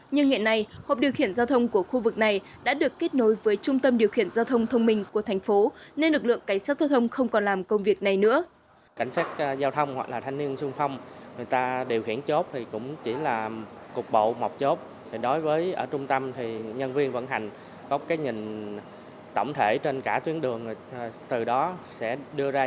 nhưng hiện nay hộp điều khiển giao thông của khu vực này đã được kết nối với trung tâm điều khiển giao thông thông minh tp hcm nên lực lượng cảnh sát giao thông không còn làm công việc này nữa